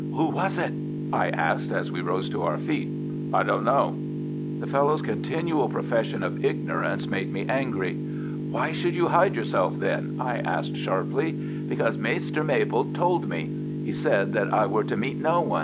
"Who was it?" I asked, as we rose to our feet. "I don't know." The fellow's continual profession of ignorance made me angry. "Why should you hide yourself, then?" I asked, sharply. "Because Maister Maple told me. He said that I were to meet no one.